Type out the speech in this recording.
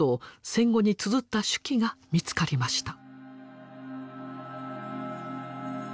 戦後につづった手記が見つかりました。